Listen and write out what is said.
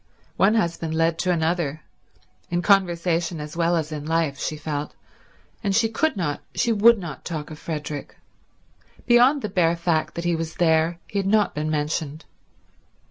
One husband led to another, in conversation as well as in life, she felt, and she could not, she would not, talk of Frederick. Beyond the bare fact that he was there, he had not been mentioned.